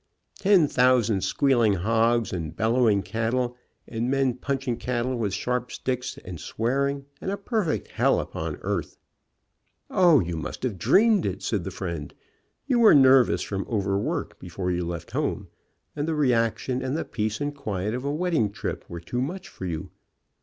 Ten thousand squealing hogs and bellowing cattle, and men punching cattle with sharp sticks and swearing, and a perfect hell upon earth." "O, you must have dreamed it," said the friend. "You were nervous from overwork before you left home, and the reaction and the peace and quiet of a wedding trip were too much for you."